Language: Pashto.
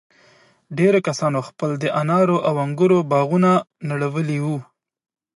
ډېرو کسانو خپل د انارو او انگورو باغونه نړولي وو.